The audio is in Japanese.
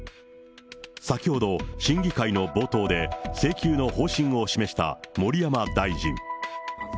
先ほど、審議会の冒頭で請求の方針を示した盛山大臣。